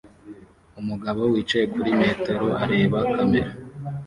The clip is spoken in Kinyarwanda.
Umugabo wicaye kuri metero areba kamera